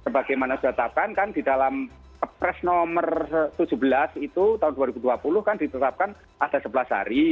sebagaimana sudah tetapkan kan di dalam kepres nomor tujuh belas itu tahun dua ribu dua puluh kan ditetapkan ada sebelas hari